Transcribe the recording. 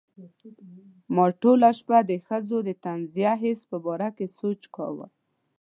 ما ټوله شپه د ښځو د طنزیه حس په باره کې سوچ کاوه.